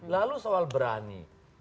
lalu soal berani